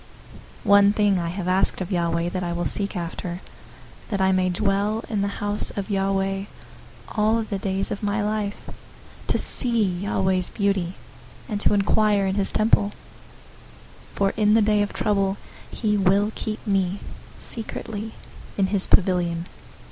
027:004 One thing I have asked of Yahweh, that I will seek after, that I may dwell in the house of Yahweh all the days of my life, to see Yahweh's beauty, and to inquire in his temple. 027:005 For in the day of trouble he will keep me secretly in his pavilion.